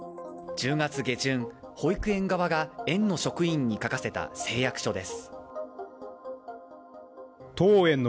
１０月下旬、保育園側が園の職員に書かせた誓約書です。